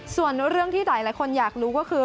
ส่วนเรื่องที่หลายคนอยากรู้ก็คือ